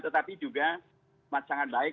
tetapi juga sangat baik